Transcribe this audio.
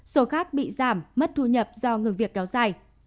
số khác bị giảm mất thu nhập do ngừng việc kéo dài